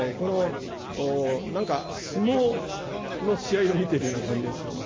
なんか相撲の試合を見ているような感じがすると。